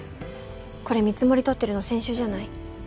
これ見積りとってるの先週じゃない？